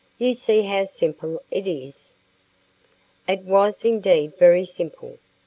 You see how simple it is?" It was indeed very simple!